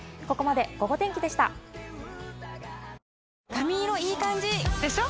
髪色いい感じ！でしょ？